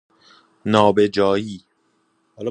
نابجایی